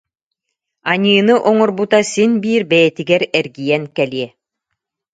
Аньыыны оҥорбута син биир бэйэтигэр эргийэн кэлиэ